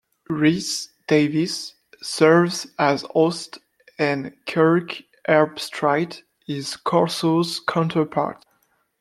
Rece Davis serves as host and Kirk Herbstreit is Corso's counterpart.